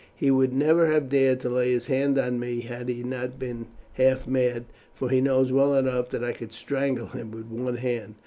He would never have dared to lay his hand on me had he not been half mad, for he knows well enough that I could strangle him with one hand.